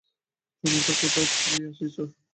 চুনের কৌটোটা ফেলিয়া আসিয়াছ?